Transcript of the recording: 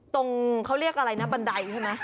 ตรงเขาเรียกอะไรนะบันไดใช่ไหม